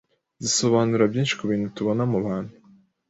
zisobanura byinshi kubintu tubona mubantu